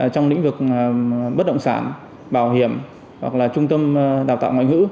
trong lĩnh vực bất động sản bảo hiểm hoặc là trung tâm đào tạo ngoại ngữ